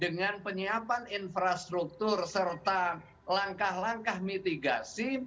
dengan penyiapan infrastruktur serta langkah langkah mitigasi